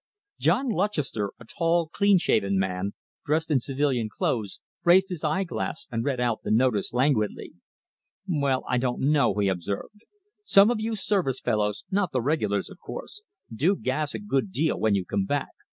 John Lutchester, a tall, clean shaven man, dressed in civilian clothes, raised his eyeglass and read out the notice languidly. "Well, I don't know," he observed. "Some of you Service fellows not the Regulars, of course do gas a good deal when you come back.